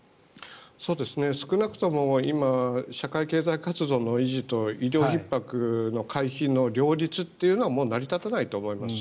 少なくとも今、社会経済活動の維持と医療ひっ迫の回避の両立というのはもう成り立たないと思います。